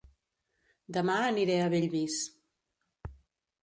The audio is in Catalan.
Dema aniré a Bellvís